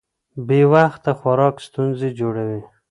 بې وخته خوراک ستونزې جوړوي.